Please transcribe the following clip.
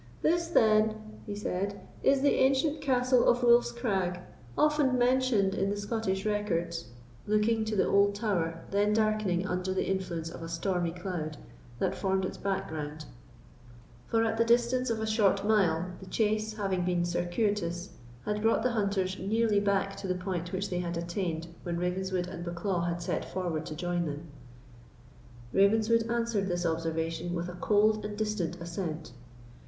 "This, then," he said, "is the ancient Castle of Wolf's Crag, often mentioned in the Scottish records," looking to the old tower, then darkening under the influence of a stormy cloud, that formed its background; for at the distance of a short mile, the chase, having been circuitous, had brought the hunters nearly back to the point which they had attained when Ravenswood and Bucklaw had set forward to join them. Ravenswood answered this observation with a cold and distant assent.